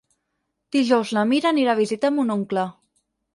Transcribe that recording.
Dijous na Mira anirà a visitar mon oncle.